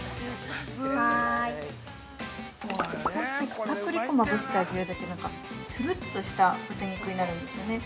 かたくり粉まぶしてあげると、つるっとした豚肉になるんですよね。